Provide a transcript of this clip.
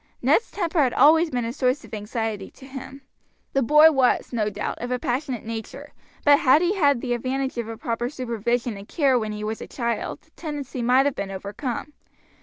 Ned's temper had always been a source of anxiety to him. The boy was, no doubt, of a passionate nature, but had he had the advantage of a proper supervision and care when he was a child the tendency might have been overcome.